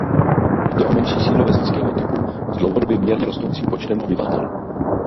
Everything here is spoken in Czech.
Jde o menší sídlo vesnického typu s dlouhodobě mírně rostoucím počtem obyvatel.